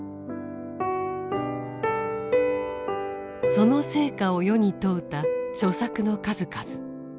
その成果を世に問うた著作の数々。